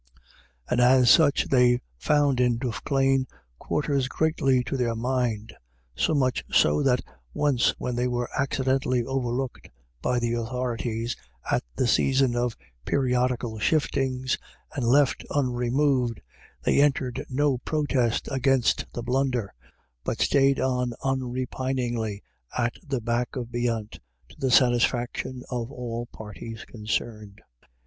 And, as such, they found in Duffclane quarters greatly to their mind; so much so, that once when they were accidentally overlooked by the authorities at the season of periodical shiftings, and left unremoved, > GOT THE BETTER OF. in they entered no protest against the blunder, but stayed on unrepiningly at the back of beyant, to the satisfaction of all parties concerned.